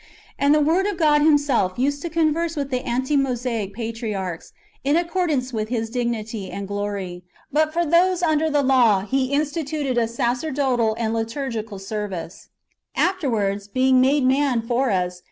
And the Word of God Himself used to converse wath the ante Mosaic patriarchs, in accordance with His divinity and glory ; but for those under the law he instituted a sacerdotal and liturgical service.^ Afterwards, being made man for us.